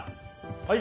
はい。